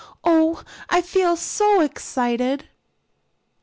Oh, I feel so excited."